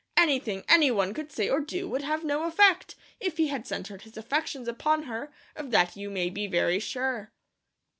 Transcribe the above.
"Anything any one could say or do would have no effect, if he had centred his affections upon her, of that you may be very sure."